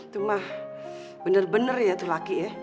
tumah bener bener ya tuh laki ya